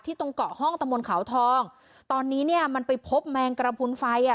ตรงเกาะห้องตะมนต์เขาทองตอนนี้เนี่ยมันไปพบแมงกระพุนไฟอ่ะ